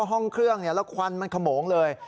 ห้องเครื่องแล้วควันมันขโมงเลย